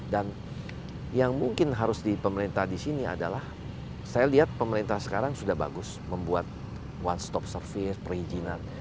dan yang mungkin harus di pemerintah di sini adalah saya lihat pemerintah sekarang sudah bagus membuat one stop service perizinan